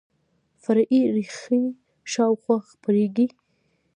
فرعي ریښې شاوخوا خپریږي